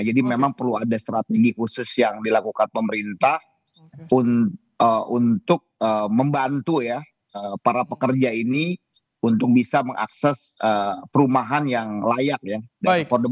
jadi memang perlu ada strategi khusus yang dilakukan pemerintah untuk membantu ya para pekerja ini untuk bisa mengakses perumahan yang layak dan affordable